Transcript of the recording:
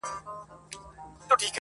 دا ستا د سترگو په كتاب كي گراني